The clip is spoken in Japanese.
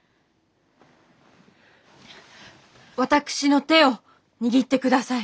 私の手を握って下さい。